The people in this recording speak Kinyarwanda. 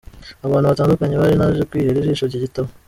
Abantu batandukanye bari naje kwihera ijisho iki gitabo.